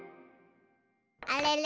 あれれ？